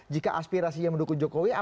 jika aspirasinya mendukung jokowi